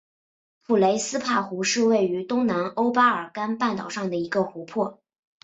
普雷斯帕湖是位于东南欧巴尔干半岛上的一个湖泊。